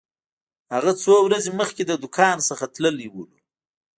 هغه څو ورځې مخکې له دکان څخه تللی و.